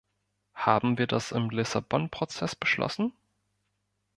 Haben wir das im Lissabon-Prozess beschlossen?